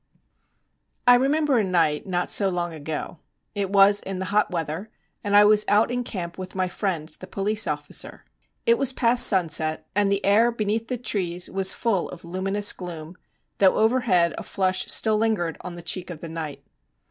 _ I remember a night not so long ago; it was in the hot weather, and I was out in camp with my friend the police officer. It was past sunset, and the air beneath the trees was full of luminous gloom, though overhead a flush still lingered on the cheek of the night.